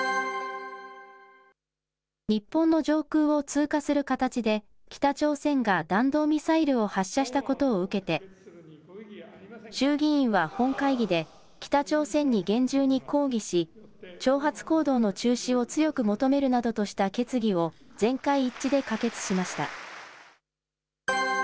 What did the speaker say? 日本の上空を通過する形で、北朝鮮が弾道ミサイルを発射したことを受けて、衆議院は本会議で、北朝鮮に厳重に抗議し、挑発行動の中止を強く求めるなどとした決議を全会一致で可決しました。